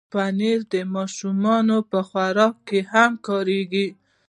پنېر د ماښام خوراک کې هم کارېږي.